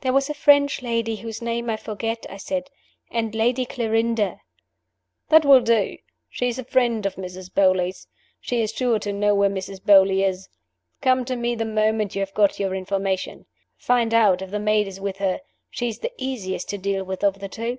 "There was a French lady whose name I forget," I said, "and Lady Clarinda " "That will do! She is a friend of Mrs. Beauly's. She is sure to know where Mrs. Beauly is. Come to me the moment you have got your information. Find out if the maid is with her: she is the easiest to deal with of the two.